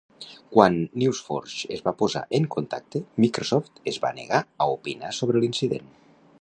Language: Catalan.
Quan NewsForge es va posar en contacte, Microsoft es va negar a opinar sobre l'incident.